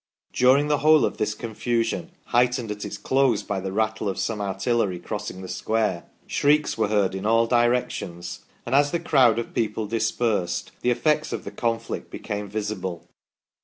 During the whole of this confusion, heightened at its close by the rattle of some artillery crossing the square, shrieks were heard in all direc tions, and as the crowd of people dispersed, the effects of the conflict became visible.